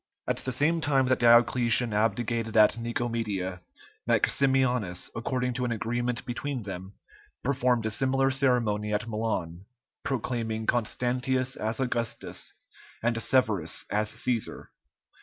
At the same time that Diocletian abdicated at Nicomedia, Maximianus, according to an agreement between them, performed a similar ceremony at Milan, proclaiming Constantius as Augustus, and Severus as Cæsar.